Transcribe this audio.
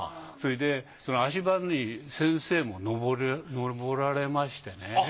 それでその足場に先生も上られましてね。